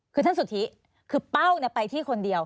คือท่านสุธิคือเป้าไปที่คนเดียว